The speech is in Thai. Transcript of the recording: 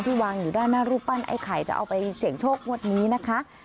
วางอยู่ด้านหน้ารูปปั้นไอ้ไข่จะเอาไปเสี่ยงโชคงวดนี้นะคะ